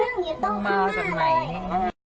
เค้านั่งอยู่โต๊ะข้างหน้าเลย